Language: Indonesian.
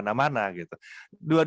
menyuruh mengganda lebih baik